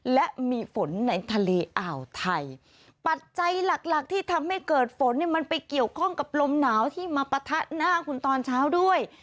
และมีฝนในทะเลอ่าวไทยปัจจัยหลักหลักที่ทำให้เกิดฝนเนี่ยมันไปเกี่ยวข้องกับลมหนาวที่มาปะทะหน้าคุณตอนเช้าด้วย